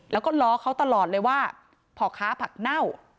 แล้วก็ล้อเขาตลอดเลยว่าพ่อค้าผักเน่า